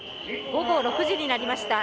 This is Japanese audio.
午後６時になりました。